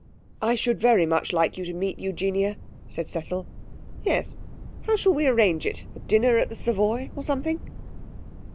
'I should very much like you to meet Eugenia,' said Cecil. 'Yes. How shall we arrange it? A dinner at the Savoy or something?'